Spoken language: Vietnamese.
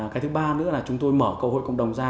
cái thứ ba nữa là chúng tôi mở cơ hội cộng đồng ra